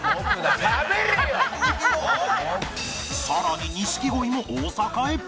さらに錦鯉も大阪へ！